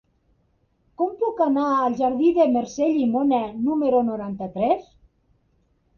Com puc anar al jardí de Mercè Llimona número noranta-tres?